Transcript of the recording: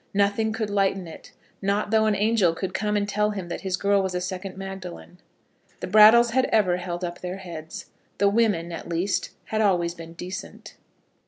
Nothing could lighten it; not though an angel could come and tell him that his girl was a second Magdalen. The Brattles had ever held up their heads. The women, at least, had always been decent.